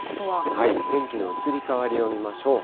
天気の移り変わりを見ましょう。